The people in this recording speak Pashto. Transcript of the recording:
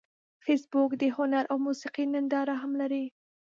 فېسبوک د هنر او موسیقۍ ننداره هم لري